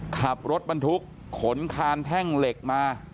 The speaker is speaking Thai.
ขับรถบรรทุกขนคานแท่งเหล็กมา